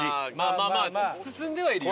まあまあ進んではいるよ